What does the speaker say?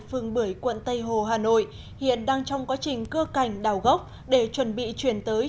phường bưởi quận tây hồ hà nội hiện đang trong quá trình cưa cảnh đào gốc để chuẩn bị chuyển tới